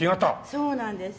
そうなんです。